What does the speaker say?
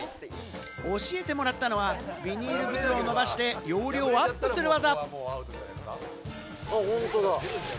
教えてもらったのはビニール袋を伸ばして、容量をアップする技。